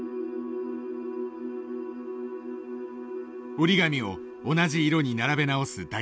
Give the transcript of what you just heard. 折り紙を同じ色に並べ直す大作さん。